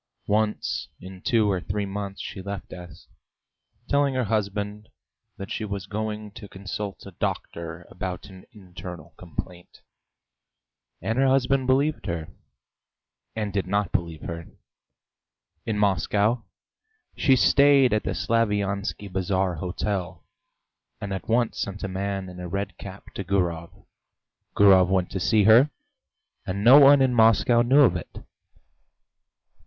Once in two or three months she left S , telling her husband that she was going to consult a doctor about an internal complaint and her husband believed her, and did not believe her. In Moscow she stayed at the Slaviansky Bazaar hotel, and at once sent a man in a red cap to Gurov. Gurov went to see her, and no one in Moscow knew of it.